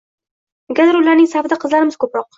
Negadir ularning safida qizlarimiz ko`proq